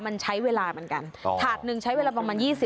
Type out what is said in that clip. มันใช้เวลาเหมือนกันถาดหนึ่งใช้เวลาประมาณ๒๐